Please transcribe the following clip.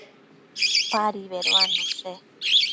Padi beduannushe